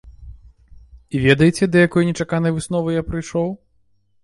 І ведаеце, да якой нечаканай высновы я прыйшоў?